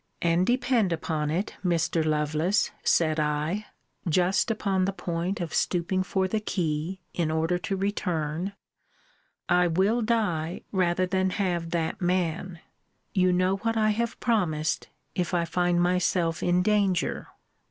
And depend upon it, Mr. Lovelace, said I [just upon the point of stooping for the key, in order to return] I will die, rather than have that man. You know what I have promised, if I find myself in danger.